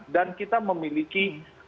dan kita memiliki